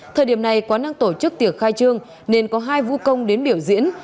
thời điểm này quán đang tổ chức tiệc khai trương nên có hai vũ công đến biểu diễn